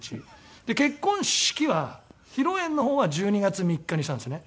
で結婚式は披露宴の方は１２月３日にしたんですね。